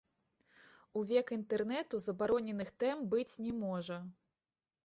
У век інтэрнэту забароненых тэм быць не можа.